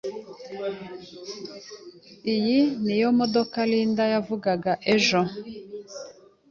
Iyi niyo modoka Linda yavugaga ejo.